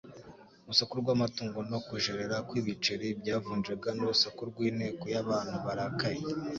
Urusaku rw’amatungo no kujerera kw’ibiceri byavunjaga n’urusaku rw’inteko y’abantu barakaye,